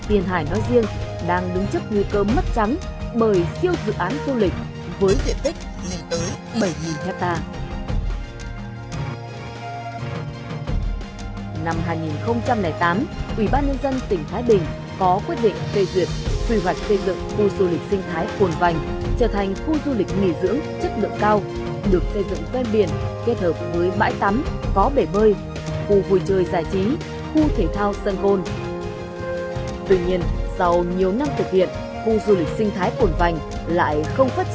tháng một năm hai nghìn một mươi chín vừa qua ủy ban nhân dân tỉnh thái bình đã xem xét mở rộng quy mô khu du lịch sinh thái cồn vành